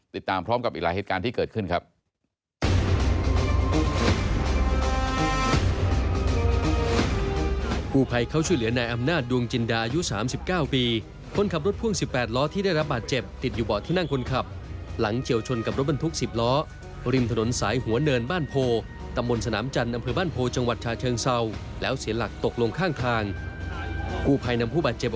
ติดตามพร้อมกับอีกหลายเหตุการณ์ที่เกิดขึ้นครับ